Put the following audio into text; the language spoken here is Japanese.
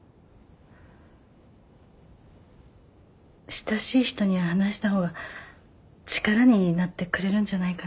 親しい人には話した方が力になってくれるんじゃないかな。